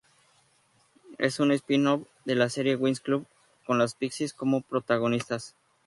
Es un spin-off de la serie Winx Club, con las Pixies como protagonistas.